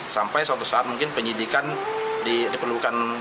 sampai suatu saat mungkin penyidikan diperlukan